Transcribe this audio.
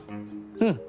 うん。